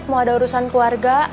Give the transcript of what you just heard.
mau ada urusan keluarga